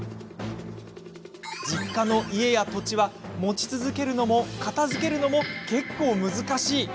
実家の家や土地は持ち続けるのも、片づけるのも結構難しい！